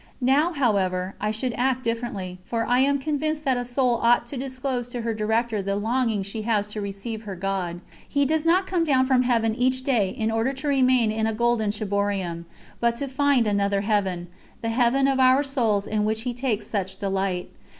Now, however, I should act differently, for I am convinced that a soul ought to disclose to her director the longing she has to receive her God. He does not come down from Heaven each day in order to remain in a golden ciborium, but to find another Heaven the Heaven of our souls in which He takes such delight.